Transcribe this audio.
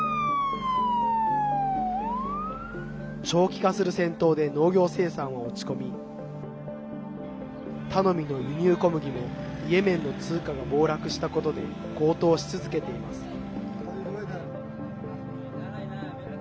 長期化する戦闘で農業生産は落ち込み頼みの輸入小麦もイエメンの通貨が暴落したことで高騰し続けています。